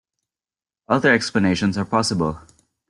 Other explanations are possible.